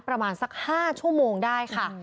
ประมาณสัก๕ชั่วโมงได้ค่ะ